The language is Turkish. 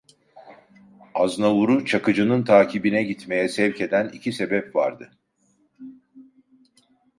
Anzavur'u Çakıcı’nın takibine gitmeye sevk eden iki sebep vardı.